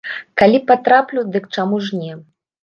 Калі патраплю, дык чаму ж не?